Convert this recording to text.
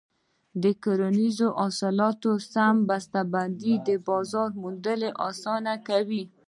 د کرنیزو حاصلاتو سم بسته بندي د بازار موندنه اسانه کوي.